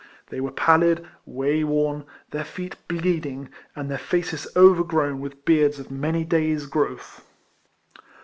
They were pallid, way worn, their feet bleed ing, and their faces overgrown with beards of many days' growth.